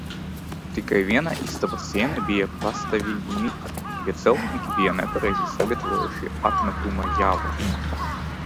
Tikai viena istabas siena bija pastāvīgi mitra, jo celtnieki bija nepareizi sagatavojuši apmetuma javu.